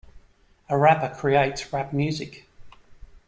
A rapper creates rap music.